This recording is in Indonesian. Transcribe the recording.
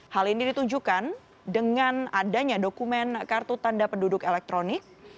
hal ini ditunjukkan dengan adanya dokumen kartu tanda penduduk elektronik